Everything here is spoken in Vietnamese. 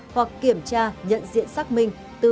hoặc kiểm tra nhận diện xác minh